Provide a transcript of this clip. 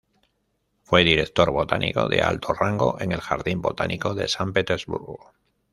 Fue director botánico de alto rango en el Jardín Botánico de San Petersburgo.